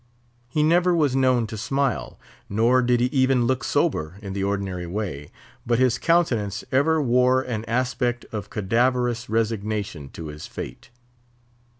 He never was known to smile; nor did he even look sober in the ordinary way; but his countenance ever wore an aspect of cadaverous resignation to his fate.